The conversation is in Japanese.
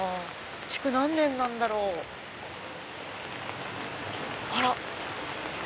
築何年なんだろう？あら！